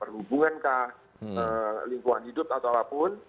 perhubungan ke lingkungan hidup atau apapun